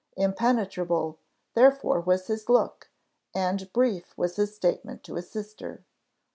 Impenetrable, therefore, was his look, and brief was his statement to his sister.